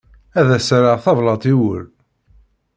Ad as-rreɣ tablaḍt i wul.